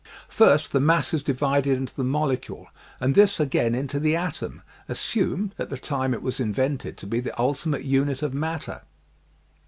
First the mass is divided into the molecule and this again into the atom, assumed, at the time it was invented, to be the ultimate unit of matter.